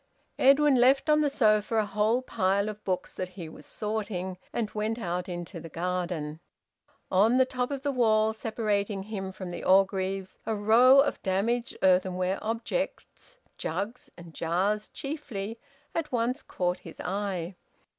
Edwin left on the sofa a whole pile of books that he was sorting, and went out into the garden. On the top of the wall separating him from the Orgreaves a row of damaged earthenware objects jugs and jars chiefly at once caught his eye.